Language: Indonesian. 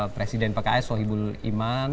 presiden pks sohibul iman